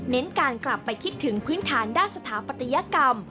การกลับไปคิดถึงพื้นฐานด้านสถาปัตยกรรม